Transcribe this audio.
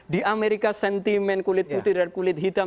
di amerika sentimen kulit putih dan kulit hitam